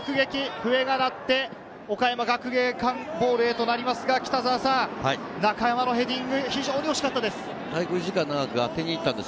笛が鳴って岡山学芸館ボールへとなりますが、中山のヘディング、非常に惜しかったです。